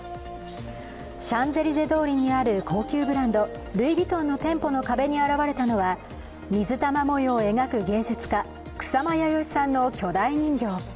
シャンゼリゼ通りにある高級ブランドルイ・ヴィトンの店舗の壁に現れたのは水玉模様を描く芸術家、草間彌生さんの巨大人形。